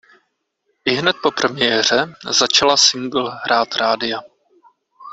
Ihned po premiéře začala singl hrát rádia.